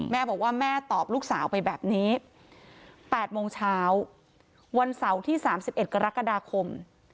แม่บอกว่าแม่ตอบลูกสาวไปแบบนี้๘โมงเช้าวันเสาร์ที่๓๑กรกฎาคม